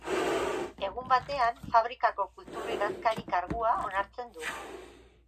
Egun batean fabrikako kultur idazkari kargua onartzen du.